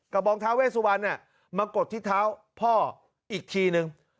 บองท้าเวสวันมากดที่เท้าพ่ออีกทีนึง